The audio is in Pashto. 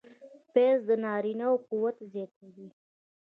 پیاز د نارینه و قوت زیاتوي